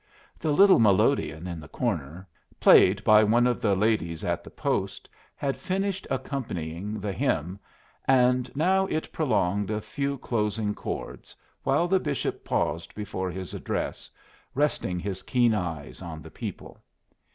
The little melodeon in the corner, played by one of the ladies at the post, had finished accompanying the hymn, and now it prolonged a few closing chords while the bishop paused before his address, resting his keen eyes on the people.